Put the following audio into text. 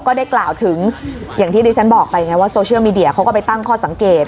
ก็ได้กล่าวถึงอย่างที่ดิฉันบอกไปไงว่าโซเชียลมีเดียเขาก็ไปตั้งข้อสังเกต